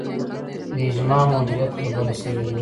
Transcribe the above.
د اجماع موجودیت خبره شوې ده